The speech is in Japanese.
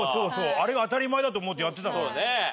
あれが当たり前だと思ってやってたから。